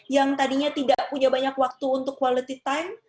yang tadinya tidak punya banyak waktu untuk quality time